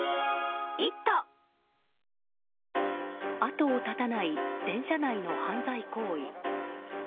後を絶たない電車内の犯罪行為。